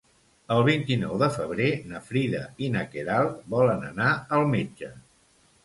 El vint-i-nou de febrer na Frida i na Queralt volen anar al metge.